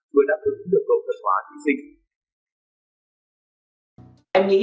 vừa đảm hưởng được cầu thật hóa thí sinh